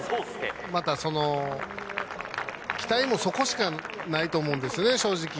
また期待もそこしかないと思うんですよね、正直。